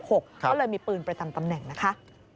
ก็เลยมีปืนไปตามตำแหน่งนะคะ